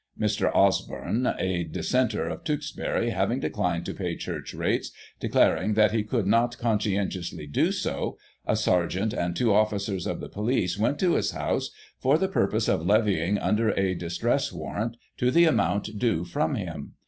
— Mr. Osborne, a dissenter, of Tewkesbury, having declined to pay Church Rates, declar ing that he could not conscientiously do so, a sergeant and two officers of the police went to his house for the purpose of levying under a distress warrant to the amount due from him.